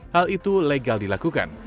hal itu legal dilakukan